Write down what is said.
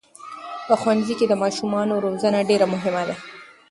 په ښوونځي کې د ماشومانو روزنه ډېره مهمه ده.